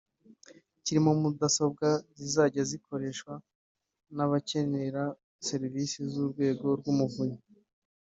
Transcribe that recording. kirimo mudasobwa zizajya zikoreshwa n’abakenera serivise z’Urwego rw’umuvunyi